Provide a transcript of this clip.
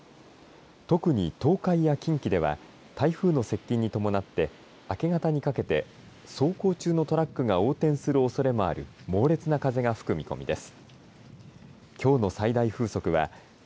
特に東海や近畿では台風の接近に伴って明け方にかけて走行中のトラックが横転するおそれもある猛烈な風が吹く見込みです。